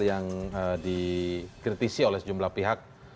yang dikritisi oleh sejumlah pihak